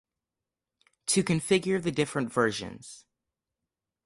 To configure the different versions